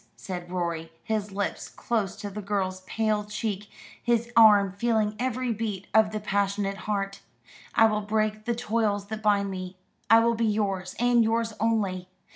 said Rorie, his lips close to the girl's pale cheek, his arm feeling every beat of the passionate heart. "I will break the toils that bind me. I will be yours, and yours only.